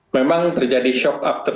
memang terjadi shock after